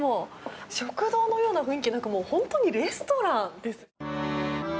食堂のような雰囲気ではなく本当にレストランです。